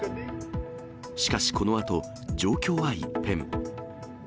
しかしこのあと、状況は一変。